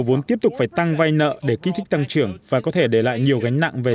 vốn tiếp tục phải tăng vai nợ để kích thích tăng trưởng và có thể để lại nhiều gánh nặng về